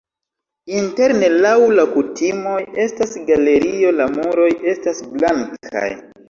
Interne laŭ la kutimoj estas galerio, la muroj estas blankaj.